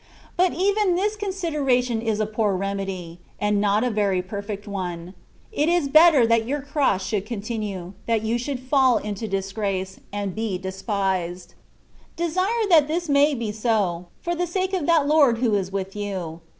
But even this consideration is a poor remedy, ^nd not a very perfect one. It is better that your cross should continue, that you should fall THE WAY OF PERFECTION. 141 into disgrace^ and be despised : desire this may be so, for the sake of that Lord who is with you.